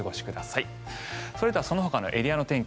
それではそのほかのエリアの天気